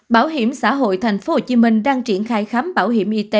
bảo hiểm xã hội tp hcm đang triển khai khám bảo hiểm y tế